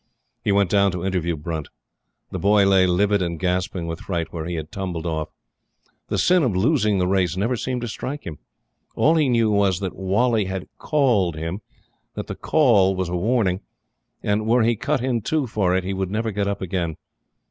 He went down to interview Brunt. The boy lay, livid and gasping with fright, where he had tumbled off. The sin of losing the race never seemed to strike him. All he knew was that Whalley had "called" him, that the "call" was a warning; and, were he cut in two for it, he would never get up again.